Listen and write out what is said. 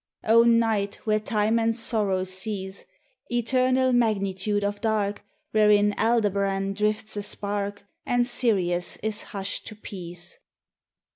O Night where Time and Sorrow cease! Eternal magnitude of dark Wherein Aldebaran drifts a spark, And Sirius is hushed to peace!